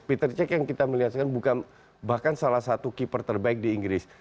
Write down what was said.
peter check yang kita melihat sekarang bukan bahkan salah satu keeper terbaik di inggris